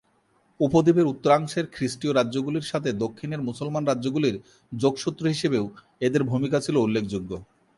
উপদ্বীপের উত্তরাংশের খ্রিস্টীয় রাজ্যগুলির সাথে দক্ষিণের মুসলমান রাজ্যগুলির যোগসূত্র হিসেবেও এদের ভূমিকা ছিল উল্লেখযোগ্য।